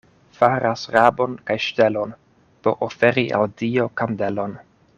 Faras rabon kaj ŝtelon, por oferi al Dio kandelon.